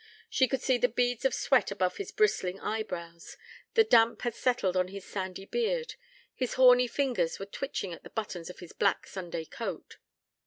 She could see the beads of sweat above his bristling eyebrows: the damp had settled on his sandy beard: his horny fingers were twitching at the buttons of his black Sunday coat.